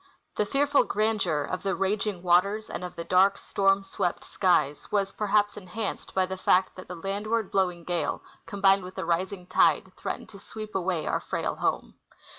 The fearful grandeur of the raging waters and of the dark storm SAvept skies Avas, perhaps, enhanced by the fact that the landAvard bloAving gale, combined Avith a rising tide, threatened to SAveep aAvay our frail home.